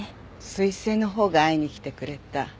彗星のほうが会いに来てくれた。